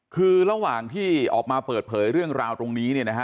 คือระหว่างที่ออกมาเปิดเผยเรื่องราวตรงนี้เนี่ยนะฮะ